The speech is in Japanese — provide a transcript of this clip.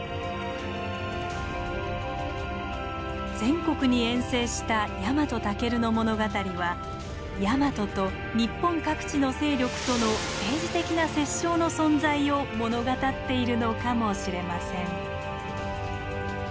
全国に遠征したヤマトタケルの物語はヤマトと日本各地の勢力との政治的な折衝の存在を物語っているのかもしれません。